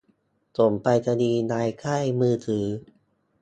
ส่งไปรษณีย์ ย้ายค่ายมือถือ